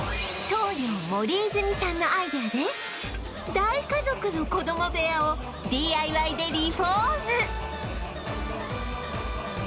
棟梁森泉さんのアイデアで大家族の子供部屋を ＤＩＹ でリフォーム